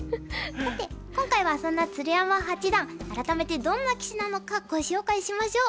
さて今回はそんな鶴山八段改めてどんな棋士なのかご紹介しましょう。